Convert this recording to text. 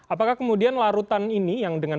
apakah kemudian larutan ini yang dengan